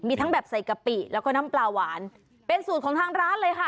มีทั้งแบบใส่กะปิแล้วก็น้ำปลาหวานเป็นสูตรของทางร้านเลยค่ะ